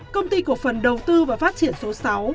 công ty cổ phần đầu tư và phát triển số sáu